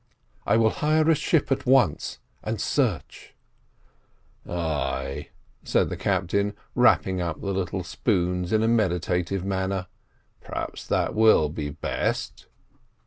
"I will hire a ship at once and search." "Ay," said the captain, wrapping up the little spoons in a meditative manner; "perhaps that will be best."